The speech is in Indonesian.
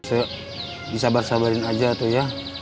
saya disabar sabarin aja tuh ya